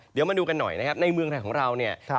เดี๋ยวมาดูกันหน่อยนะครับในเมืองไทยของเราเนี่ย